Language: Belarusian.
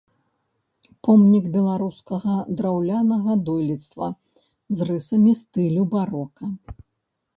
Помнік беларускага драўлянага дойлідства з рысамі стылю барока.